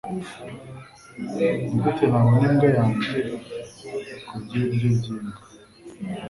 Nigute nabona imbwa yanjye kurya ibiryo byimbwa?